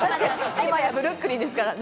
今やブルックリンですからね。